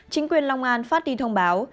chính quyền long an phát đi thông báo